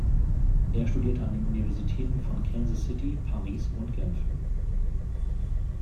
Er studierte an den Universitäten von Kansas City, Paris und Genf.